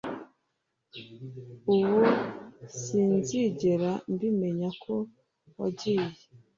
ubu sinzigera mbimenya ko wagiye